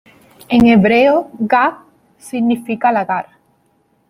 En hebreo, "gat" significa lagar.